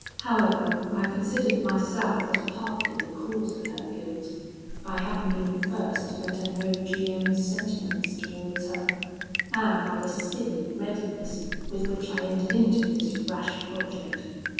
However, I considered myself as partly the cause of her guilt, by having been the first to let her know G M 's sentiments towards her, and by the silly readiness with which I entered into this rash project.